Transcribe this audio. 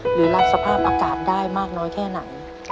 หรือรับสภาพอากาศได้มากน้อยแค่ไหน